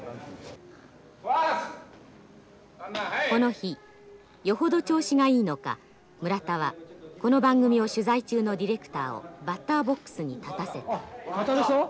この日よほど調子がいいのか村田はこの番組を取材中のディレクターをバッターボックスに立たせた。